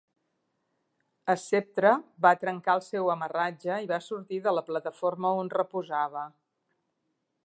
"Sceptre" va trencar el seu amarratge i va sortir de la plataforma on reposava.